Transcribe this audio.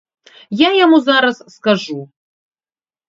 Я яму зараз скажу.